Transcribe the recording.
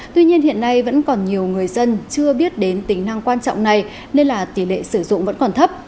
tuy nhiên hiện nay vẫn còn nhiều người dân chưa biết đến tính năng quan trọng này nên là tỷ lệ sử dụng vẫn còn thấp